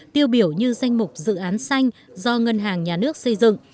tiêu biểu như danh mục dự án xanh do ngân hàng nhà nước xây dựng